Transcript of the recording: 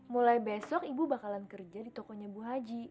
mulai besok ibu bakalan kerja di tokonya ibu haji